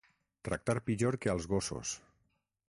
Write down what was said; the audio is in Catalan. Tractar pitjor que als gossos.